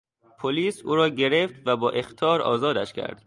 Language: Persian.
پلیس او را گرفت و با اخطار آزادش کرد.